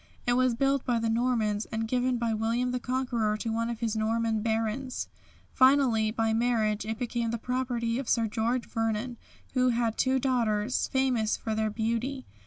It was built by the Normans and given by William the Conqueror to one of his Norman Barons. Finally by marriage it became the property of Sir George Vernon, who had two daughters, famous for their beauty.